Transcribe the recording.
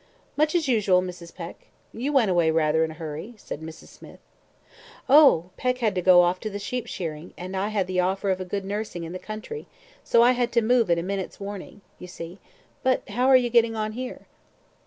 "Much as usual, Mrs. Peck. You went away rather in a hurry," said Mrs. Smith. "Oh! Peck had to go off to the sheep shearing, and I had the offer of a good nursing in the country, so I had to move at a minute's warning, you see. But how are you getting on here?"